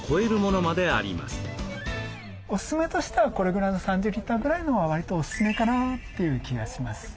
おすすめとしてはこれぐらいの３０リッターぐらいのはわりとおすすめかなという気がします。